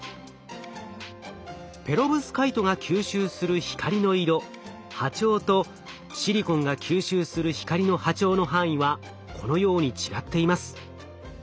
ペロブスカイトが吸収する光の色波長とシリコンが吸収する光の波長の範囲はこのように違っています。